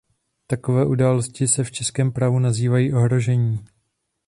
Takové události se v českém právu nazývají ohrožení.